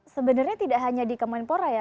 sebenarnya tidak hanya di kemenpora ya